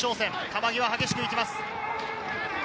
球際、激しく行きます。